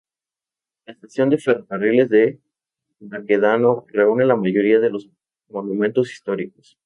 La Estación de Ferrocarriles de Baquedano reúne la mayoría de los monumentos históricos.